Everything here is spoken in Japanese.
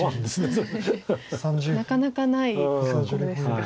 なかなかない格好ですが。